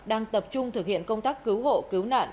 đang tập trung thực hiện công tác cứu hộ cứu nạn